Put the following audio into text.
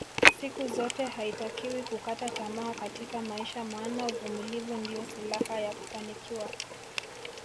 Siku zote haitakiwi kukata tamaa Katika maisha maana uvumilivu ndio silaha ya kufanikiwa